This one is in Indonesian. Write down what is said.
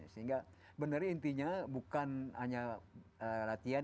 sehingga benarnya intinya bukan hanya latihan